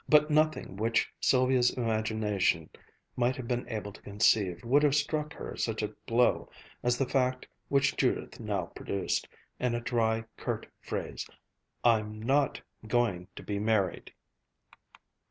But nothing which Sylvia's imagination might have been able to conceive would have struck her such a blow as the fact which Judith now produced, in a dry, curt phrase: "I'm not going to be married."